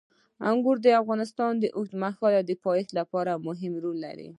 انګور د افغانستان د اوږدمهاله پایښت لپاره مهم رول لري.